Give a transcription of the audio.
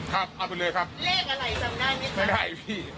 เอาไปเลยครับเลขอะไรจำได้ไหมคะไม่ได้พี่